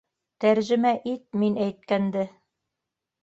Тәржемә ит мин әйткәнде.